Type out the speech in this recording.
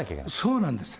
そうなんです。